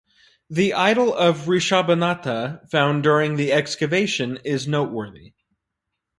The idol of Rishabhanatha found during the excavation is noteworthy.